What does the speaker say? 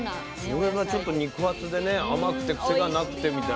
それがちょっと肉厚でね甘くて癖がなくてみたいなね。